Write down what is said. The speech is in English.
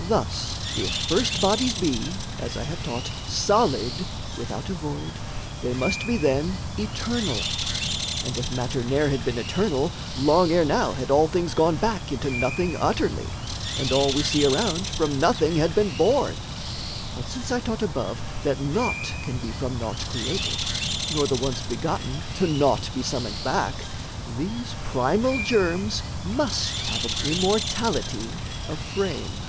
Thus if first bodies be, as I have taught, Solid, without a void, they must be then Eternal; and, if matter ne'er had been Eternal, long ere now had all things gone Back into nothing utterly, and all We see around from nothing had been born But since I taught above that naught can be From naught created, nor the once begotten To naught be summoned back, these primal germs Must have an immortality of frame.